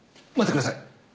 待ってください。